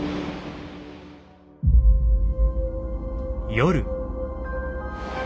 夜。